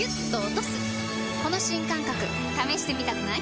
この新感覚試してみたくない？